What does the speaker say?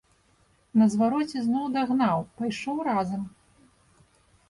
На звароце зноў дагнаў, пайшоў разам.